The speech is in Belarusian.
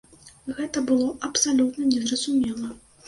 Гэта было абсалютна незразумела.